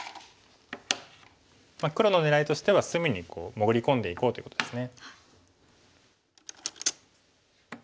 黒の狙いとしては隅に潜り込んでいこうということです。